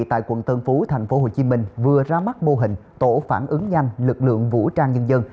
tại quận tân phú tp hcm vừa ra mắt mô hình tổ phản ứng nhanh lực lượng vũ trang nhân dân